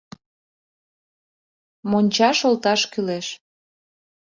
Мончаш олташ кӱлеш.